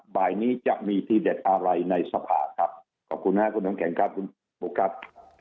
บ่ายนี้จะมีทีเด็ดอะไรในสภาครับขอบคุณครับคุณน้ำแข็งครับคุณบุ๊คครับ